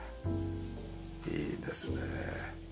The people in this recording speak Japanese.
いいですね。